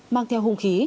mang theo hung khí